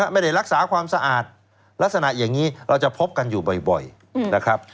ไม่ได้รักษาความสะอาดลักษณะอย่างนี้เราจะพบกันอยู่บ่อยนะครับ